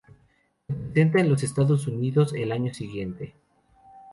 Se presentó en los Estados Unidos el año siguiente.